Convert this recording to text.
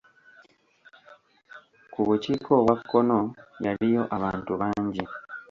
Ku bukiika obwa kkono yaliyo abantu bangi.